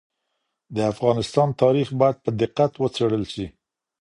د افغانستان تاریخ باید په دقت وڅېړل سي.